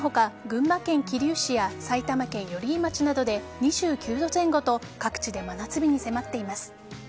群馬県桐生市や埼玉県寄居町などで２９度前後と各地で真夏日に迫っています。